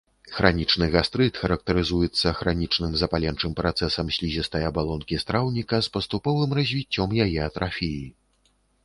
Хранічны гастрыт характарызуецца хранічным запаленчым працэсам слізістай абалонкі страўніка з паступовым развіццём яе атрафіі.